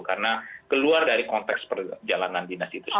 karena keluar dari konteks perjalanan dinas itu sendiri